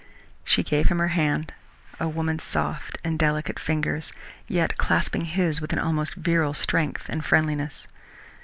She gave him her hand a woman's soft and delicate fingers, yet clasping his with an almost virile strength and friendliness.